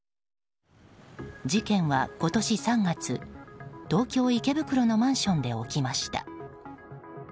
事件は今年３月、東京・池袋のマンションで起きました。